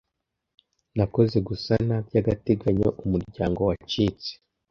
Nakoze gusana by'agateganyo umuryango wacitse.